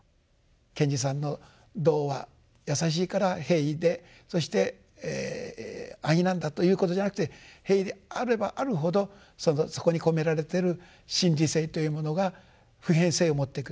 賢治さんの童話やさしいから平易でそして安易なんだということじゃなくて平易であればあるほどそこに込められてる真理性というものが普遍性を持ってくる。